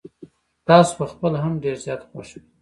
تاسو په خپله هم ډير زيات خوښ وې.